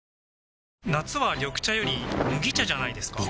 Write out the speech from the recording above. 夏は緑茶より麦茶じゃないですか？